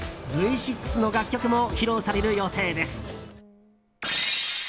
Ｖ６の楽曲も披露される予定です。